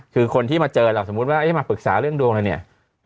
คือคนที่มาเจอเราสมมุติว่าให้มาปรึกษาเรื่องดวงเราเนี่ย